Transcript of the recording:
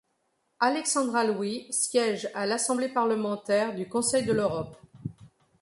Alexandra Louis siège à l'Assemblée Parlementaire du Conseil de l'Europe.